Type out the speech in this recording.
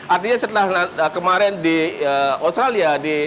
artinya setelah kemarin di australia